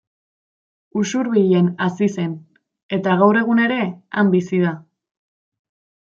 Usurbilen hazi zen, eta gaur egun ere han bizi da.